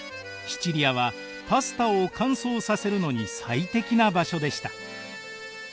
シチリアはパスタを乾燥させるのに最適な場所でした。